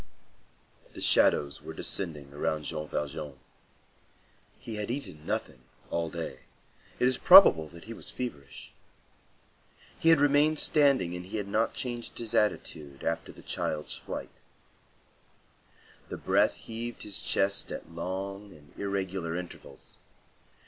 The shadows were descending around Jean Valjean. He had eaten nothing all day; it is probable that he was feverish. He had remained standing and had not changed his attitude after the child's flight. The breath heaved his chest at long and irregular intervals.